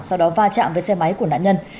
sau đó va chạm với xe máy của nạn nhân